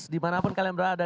dimana pun kalian berada